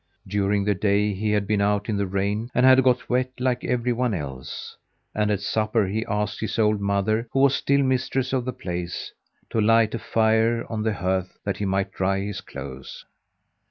During the day he had been out in the rain and had got wet, like every one else, and at supper he asked his old mother, who was still mistress of the place, to light a fire on the hearth that he might dry his clothes.